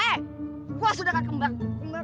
eh wah sudah akan kembang